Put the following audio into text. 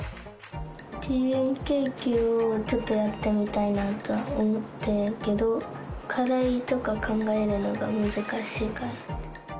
自由研究をちょっとやってみたいなと思ってるけど、課題とか考えるのが難しいかなと。